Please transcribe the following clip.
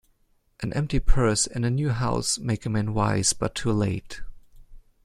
An empty purse, and a new house, make a man wise, but too late.